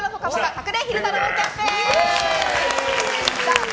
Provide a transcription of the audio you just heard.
隠れ昼太郎キャンペーン。